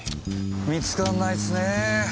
見つかんないすっねぇ。